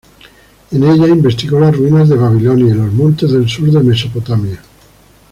En ella investigó las ruinas de Babilonia y los montes del sur de Mesopotamia.